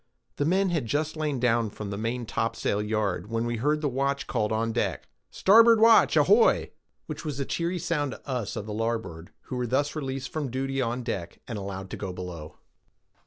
The men had just lain in from the maintopsail yard, when we heard the watch called on deck,—"Starboard watch, ahoy!"—which was a cheery sound to us of the larboard, who were thus released from duty on deck and allowed to go below.